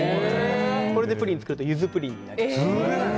これでプリンを作るとユズプリンになります。